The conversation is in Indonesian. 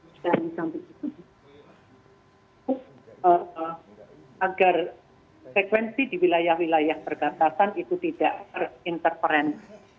dan sampai itu agar frekuensi di wilayah wilayah bergantasan itu tidak terinterferensi